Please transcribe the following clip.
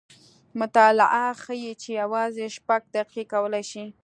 مطالعې ښیې چې یوازې شپږ دقیقې کولی شي